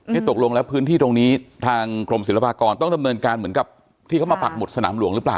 นี่ตกลงแล้วพื้นที่ตรงนี้ทางกรมศิลปากรต้องดำเนินการเหมือนกับที่เขามาปักหมุดสนามหลวงหรือเปล่า